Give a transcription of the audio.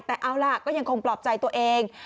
แต่เอาล่ะก็ยังคงปลอบใจตัวเอง